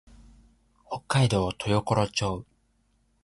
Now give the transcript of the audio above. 北海道豊頃町